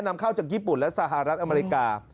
นำเข้าจากญี่ปุ่นและสหรัฐอเมริกา